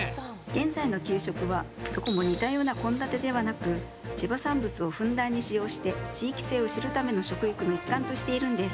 現在の給食はどこも似たような献立ではなく地場産物をふんだんに使用して地域性を知るための食育の一環としているんです。